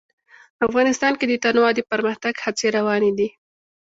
افغانستان کې د تنوع د پرمختګ هڅې روانې دي.